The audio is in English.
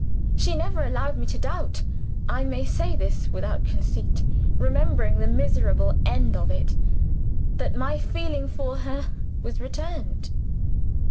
She never allowed me to doubt I may say this without conceit, remembering the miserable end of it that my feeling for her was returned.